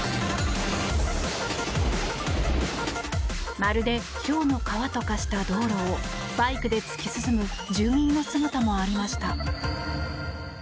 まるでひょうの川と化した道路をバイクで突き進む住民の姿もありました。